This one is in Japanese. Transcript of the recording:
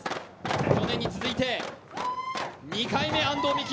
去年に続いて２回目安藤美姫。